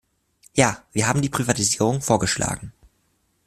Ja, wir haben die Privatisierung vorgeschlagen.